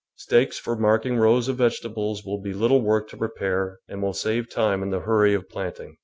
Stakes for marking rows of vege tables will be little work to prepare and will save time in the hurry of planting.